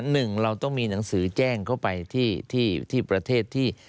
หนึ่งเราต้องมีหนังสือแจ้งเข้าไปที่ประเทศที่